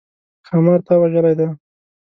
ښامار تا وژلی دی؟